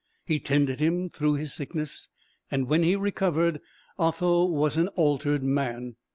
He tended him through his sickness, and when he recovered, Otho was an altered man.